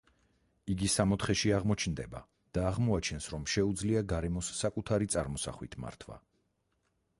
იგი სამოთხეში აღმოჩნდება და აღმოაჩენს, რომ შეუძლია გარემოს საკუთარი წარმოსახვით მართვა.